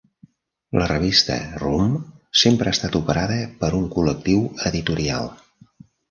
La revista "Room" sempre ha estat operada per un col·lectiu editorial.